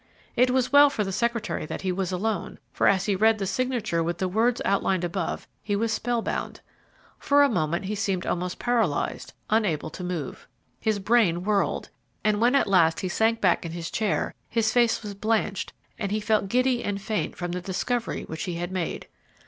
It was well for the secretary that he was alone, for, as he read the signature with the words outlined above, he was spellbound. For a moment he seemed almost paralyzed, unable to move. His brain whirled, and, when he at last sank back in his chair, his face was blanched and he felt giddy and faint from the discovery which he had made.